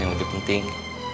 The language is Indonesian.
yang lebih penting